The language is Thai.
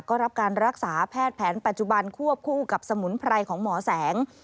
ก็รับการรักษาแพทย์แผนปัจจุบันควบคู่กับสมุนไพรของหมอแสง